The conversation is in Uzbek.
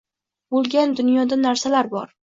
Bo'lgan dunyoda narsalar bor.